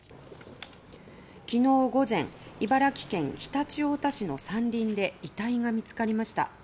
昨日午前、茨城県常陸太田市の山林で遺体が見つかりました。